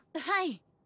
はい。